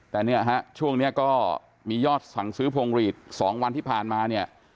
แต่เนี่ยฮะช่วงนี้ก็มียอดสั่งซื้อพวงหลีด๒วันที่ผ่านมาเนี่ย